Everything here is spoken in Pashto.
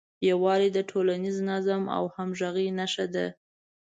یووالی د ټولنیز نظم او همغږۍ نښه ده.